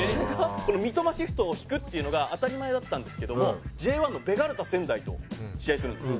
この三笘シフトを敷くっていうのが当たり前だったんですけどもＪ１のベガルタ仙台と試合するんですよ。